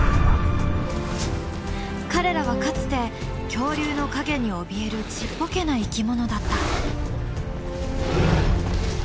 彼らはかつて恐竜の影におびえるちっぽけな生き物だった。